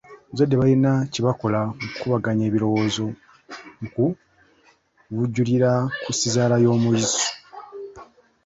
Abazadde balina kye bakola mu kukubaganya ebirowoozo mu kuvujjirira ku sizaala y'omuyizi.